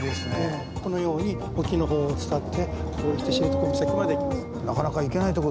このように沖の方を伝ってこう来て知床岬まで行きます。